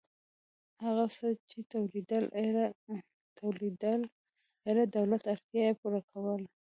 هغه څه چې تولیدېدل ایله د دولت اړتیا یې پوره کوله.